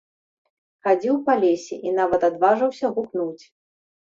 Хадзіў па лесе і нават адважыўся гукнуць.